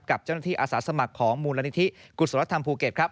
กับเจ้าหน้าที่อาสาสมัครของมูลนิธิกุศลธรรมภูเก็ตครับ